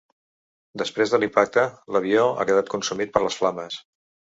Després de l’impacte, l’avió ha quedat consumit per les flames.